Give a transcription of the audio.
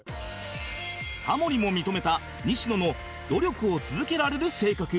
タモリも認めた西野の努力を続けられる性格